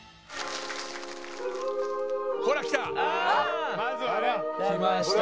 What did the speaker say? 「ほらきた」